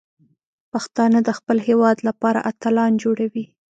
پښتانه د خپل هیواد لپاره اتلان جوړوي.